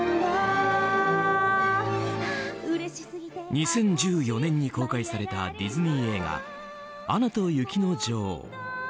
２０１４年に公開されたディズニー映画「アナと雪の女王」。